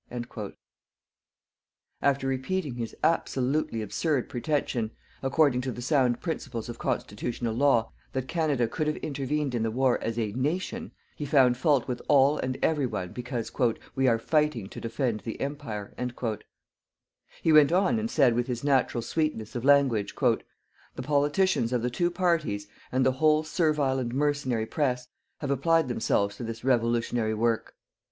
_" After repeating his absolutely absurd pretention, according to the sound principles of Constitutional Law, that Canada could have intervened in the war as a "nation" he found fault with all and every one because "we are fighting to defend the Empire." He went on and said with his natural sweetness of language: "_The politicians of the two parties and the whole servile and mercenary press have applied themselves to this revolutionary work....